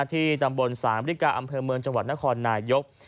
ที่ตำบลสามริกาอำเภอเมืองจังหวัดนครนายก